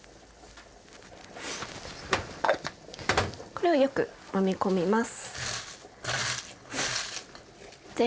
これをよくもみ込みます。